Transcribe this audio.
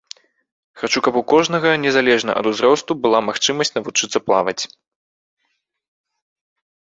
Хачу, каб у кожнага незалежна ад узросту была магчымасць навучыцца плаваць!